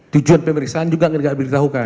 tujuan pemeriksaan juga gak diberitahukan